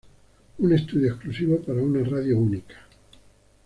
Un estudio exclusivo para una radio única.